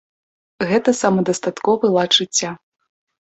Гэта самадастатковы лад жыцця.